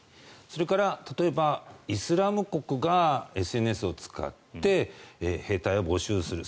それから、例えばイスラム国がＳＮＳを使って兵隊を募集する。